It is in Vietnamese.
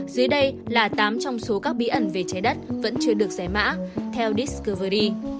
dưới đây là tám trong số các bí ẩn về trái đất vẫn chưa được giải mã theo diskoverdy